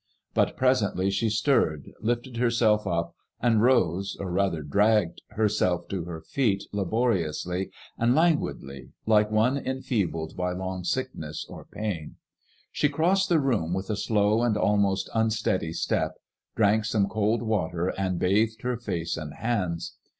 But presently she stirred, lifted herself up> and rose or rather dragged herself to her feet la boriously and languidly, like one enfeebled by long sickness or pain. She crossed the room with a slow and almost unsteady step, drank some cold water and bathed her face and hands.